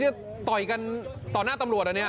จะต่อยกันต่อหน้าตำรวจเหรอเนี่ย